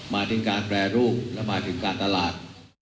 มาถึงการแปรรูปและหมายถึงการตลาด